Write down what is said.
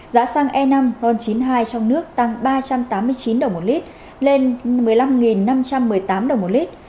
giá xăng e năm ron chín mươi hai trong nước tăng ba trăm tám mươi chín đồng một lít lên một mươi năm năm trăm một mươi tám đồng một lít